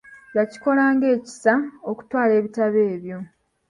Yakikola ng'ekisa okutwala ebitabo ebyo.